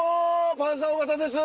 パンサー尾形です。